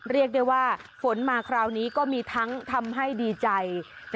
เรียกได้ว่าฝนมาคราวนี้ก็มีทั้งทำให้ดีใจ